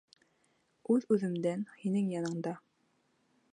Үҙ-үҙемдән һинең янда.